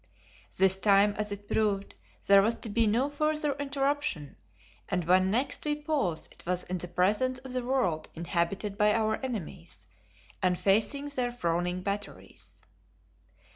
This time, as it proved, there was to be no further interruption, and when next we paused it was in the presence of the world inhabited by our enemies, and facing their frowning batteries.